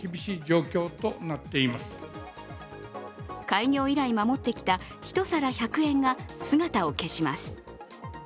開業以来守ってきた１皿１００円が姿を消します。